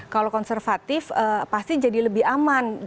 kalau konservatif pasti jadi lebih aman